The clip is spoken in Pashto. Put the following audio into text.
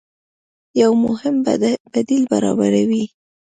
يو مهم بديل برابروي